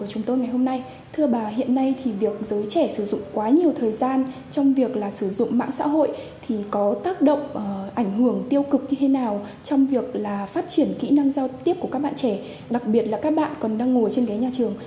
hiện tại việc giới trẻ sử dụng quá nhiều thời gian trong việc sử dụng mạng xã hội có tác động ảnh hưởng tiêu cực như thế nào trong việc phát triển kỹ năng giao tiếp của các bạn trẻ đặc biệt là các bạn còn đang ngồi trên ghế nhà trường